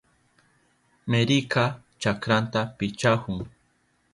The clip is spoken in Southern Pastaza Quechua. Meryka chakranta pichahun.